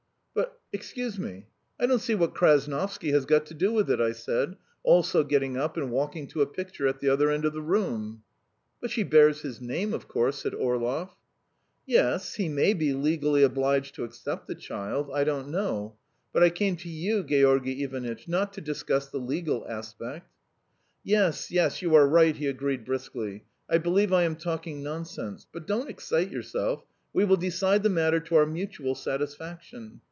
"But, excuse me, I don't see what Krasnovsky has got to do with it," I said, also getting up and walking to a picture at the other end of the room. "But she bears his name, of course!" said Orlov. "Yes, he may be legally obliged to accept the child I don't know; but I came to you, Georgy Ivanitch, not to discuss the legal aspect." "Yes, yes, you are right," he agreed briskly. "I believe I am talking nonsense. But don't excite yourself. We will decide the matter to our mutual satisfaction.